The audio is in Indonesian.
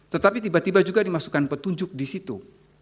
tetapi tiba tiba juga dimasukkan petunjuk disitu